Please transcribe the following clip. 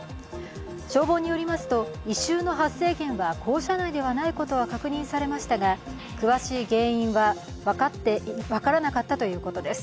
消防によりますと異臭の発生源は校舎内でないことは確認されましたが、詳しい原因は分からなかったということです。